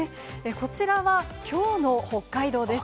こちらはきょうの北海道です。